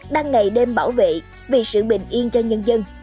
đang ngày đêm bảo vệ vì sự bình yên cho nhân dân